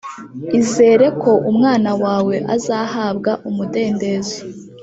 Izere ko umwana wawe ko azahabwa umudendezo